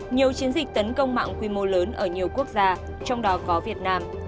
nhiều chiến dịch tấn công mạng quy mô lớn ở nhiều quốc gia trong đó có việt nam